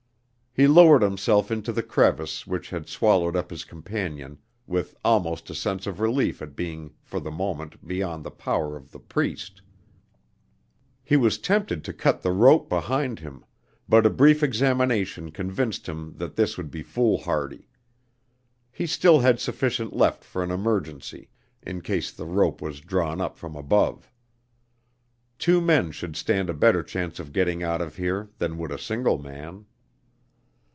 He lowered himself into the crevice which had swallowed up his companion, with almost a sense of relief at being for the moment beyond the power of the Priest. He was tempted to cut the rope behind him, but a brief examination convinced him that this would be foolhardy. He still had sufficient left for an emergency in case the rope was drawn up from above. Two men should stand a better chance of getting out of here than would a single man.